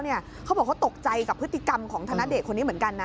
เขาบอกเขาตกใจกับพฤติกรรมของธนเดชน์คนนี้เหมือนกันนะ